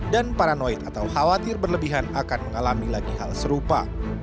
dan paranoid atau khawatir berlebihan akan mengalami lagi hal serupa